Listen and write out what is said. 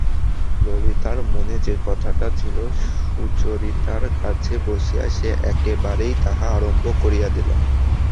ললিতার মনে যে কথাটা ছিল সুচরিতার কাছে বসিয়া সে একেবারেই তাহা আরম্ভ করিয়া দিল।